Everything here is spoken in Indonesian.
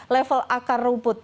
level akar rumput